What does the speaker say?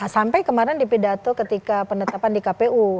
sampai kemarin dipidato ketika penetapan di kpu